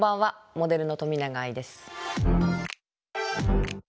モデルの冨永愛です。